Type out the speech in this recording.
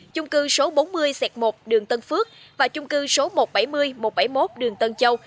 chung cư số bốn mươi một đường tân phước và chung cư số một trăm bảy mươi một trăm bảy mươi một đường tân châu